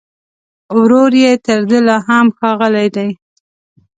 ورور يې تر ده لا هم ښاغلی دی